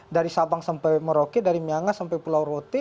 dari sabang sampai merauke dari myangas sampai pulau rote